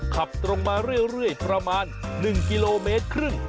ขับตรงมาเรื่อยประมาณ๑กิโลเมตรครึ่ง